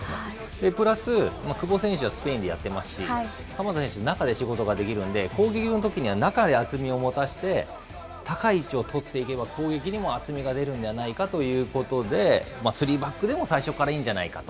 プラス、久保選手はスペインでやってますし、鎌田選手、中で仕事ができるので、攻撃のときには中で厚みを持たせて、高い位置を取っていけば、攻撃にも厚みが出るんじゃないかということで、３バックでも最初からいいんじゃないかと。